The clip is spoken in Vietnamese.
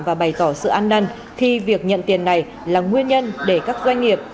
và bày tỏ sự an nân khi việc nhận tiền này là nguyên nhân để các doanh nghiệp